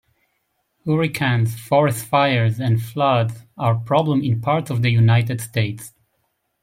Hurricanes, forest fires and floods are a problem in parts of the United States.